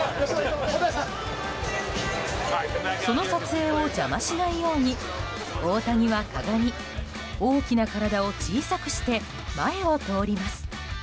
その撮影を邪魔しないように大谷はかがみ、大きな体を小さくして前を通ります。